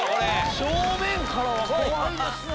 正面からは怖いですね。